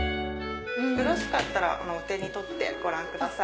よろしかったらお手に取ってご覧ください。